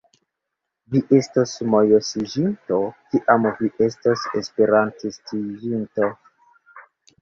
Vi estos mojosiĝinto, kiam vi estos Esperantistiĝinto!